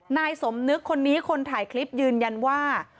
นายสมนึกคนนี้คนถ่ายคลิปยืนยันว่า